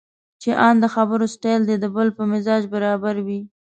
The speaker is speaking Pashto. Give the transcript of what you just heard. چې ان د خبرو سټایل دې د بل په مزاج برابر وي.